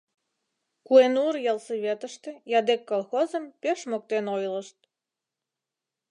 — Куэнур ялсоветыште Ядек колхозым пеш моктен ойлышт.